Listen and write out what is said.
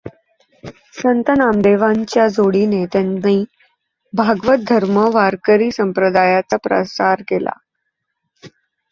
संत नामदेवांच्या जोडीने त्यांनी भागवत धर्म वारकरी संप्रदायाचा प्रसार केला.